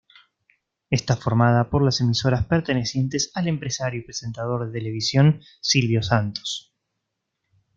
Está formada por las emisoras pertenecientes al empresario y presentador de televisión Silvio Santos.